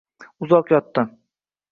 Uzoq yotdi.